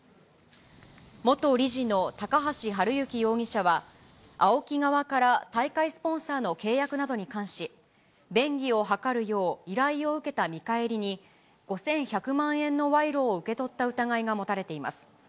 元理事の高橋治之容疑者は、ＡＯＫＩ側から大会スポンサーの契約などに関し、便宜を図るよう依頼を受けた見返りに、５１００万円の賄賂を受け取った疑いが持たれています。